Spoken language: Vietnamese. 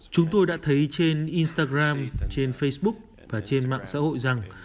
chúng tôi đã thấy trên instagram trên facebook và trên mạng xã hội rằng